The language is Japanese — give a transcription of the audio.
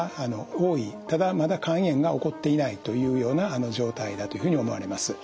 ただまだ肝炎が起こっていないというような状態だというふうに思われます。